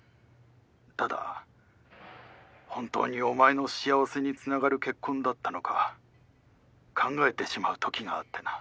ただ本当にお前の幸せにつながる結婚だったのか考えてしまうときがあってな。